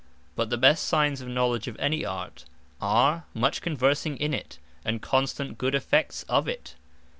But the best signes of Knowledge of any Art, are, much conversing in it, and constant good effects of it.